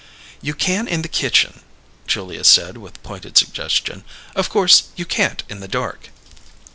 "You can in the kitchen," Julia said, with pointed suggestion. "Of course you can't in the dark."